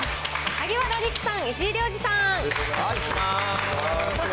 萩原利久さん、石井亮次さん。